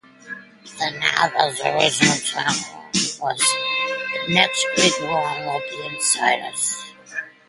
The novel's original tagline was 'The next great war will be inside us'.